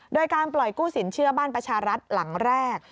โดยการปล่อยกู้สินเชื่อบ้านประชารัฐหลังแรก